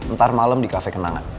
ntar malem di cafe kenangan